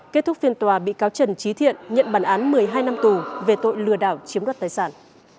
kết thúc phiên tòa bị cáo trần trí thiện nhận bản án một mươi hai năm tù về tội lừa đảo chiếm đoạt tài sản